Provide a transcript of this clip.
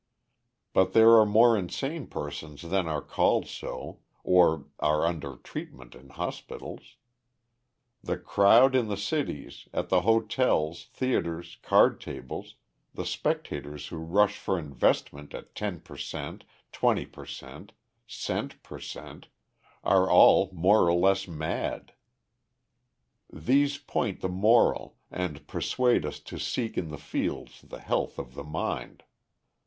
But there are more insane persons than are called so, or are under treatment in hospitals. The crowd in the cities, at the hotels, theaters, card tables, the speculators who rush for investment at ten per cent, twenty per cent, cent per cent, are all more or less mad these point the moral, and persuade us to seek in the fields the health of the mind."